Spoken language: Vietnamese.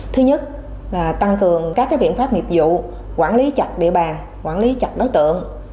thứ nhất là tăng cường các biện pháp nghiệp vụ quản lý chặt địa bàn quản lý chặt đối tượng